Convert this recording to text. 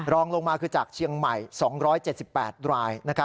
รองลงมาคือจากเชียงใหม่๒๗๘ราย